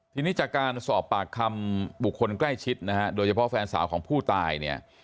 ทีนี้จากการสอบปากคำบุคคลใกล้ชิดนะฮะโดยเฉพาะแฟนสาวของผู้ตายเนี่ย